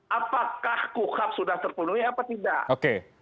apakah kukap sudah terpenuhi atau tidak